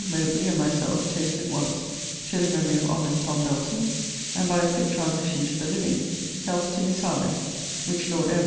Mowbray, and myself, toasted once, To the memory of honest Tom. Belton; and, by a quick transition to the living, Health to Miss Harlowe; which Lord M.